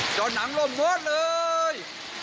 จอดหนังรวมหมดเลย